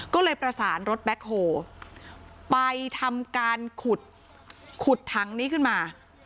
ก็เลยประสานรถแบ็คโฮไปทำการขุดขุดถังนี้ขึ้นมา